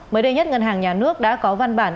mới đây nhất ngân hàng nhà nước đã có văn bản